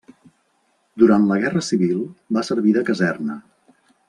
Durant la Guerra Civil va servir de caserna.